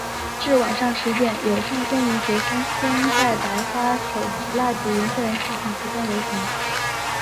至晚上十点有上千名学生胸带白花手持蜡烛沿校园进行烛光游行。